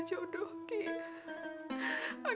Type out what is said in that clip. aki juga kan pernah bilang sama rum